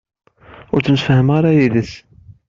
Ur ttemsefhamen ara yid-s?